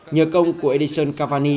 nhờ công của edison cavani